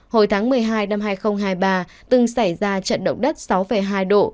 hồi tháng một mươi hai năm hai nghìn hai mươi ba từng xảy ra trận động đất sáu hai độ